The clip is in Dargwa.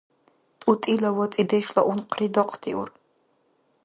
ТӀутӀила ва цӀедешла унхъри дахъдиур.